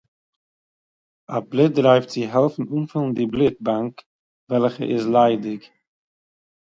א בלוט דרייוו צו העלפן אנפילן די בלוט באנק וועלכע איז ליידיג